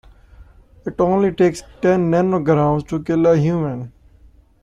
It only takes ten nanograms to kill a human.